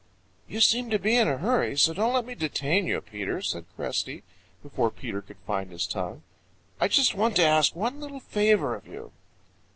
"You seem to be in a hurry, so don't let me detain you, Peter," said Cresty, before Peter could find his tongue. "I just want to ask one little favor of you."